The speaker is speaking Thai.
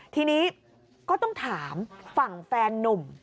ทีนี้ก็ต้องถามฝั่งแฟนนุ่ม